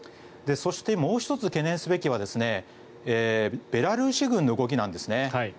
そして、もう１つ懸念すべきはベラルーシ軍の動きなんですね。